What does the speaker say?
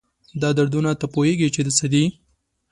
دا دردونه، تۀ پوهېږي چې د څه دي؟